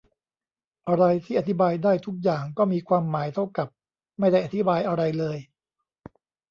อะไรที่อธิบายได้ทุกอย่างก็มีความหมายเท่ากับไม่ได้อธิบายอะไรเลย